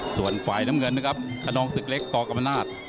ส่วนไฟน้ำเงินนะครับคนนองศึกเล็กกรกัมปนาศ